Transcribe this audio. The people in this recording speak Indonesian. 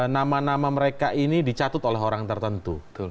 nama nama mereka ini dicatut oleh orang tertentu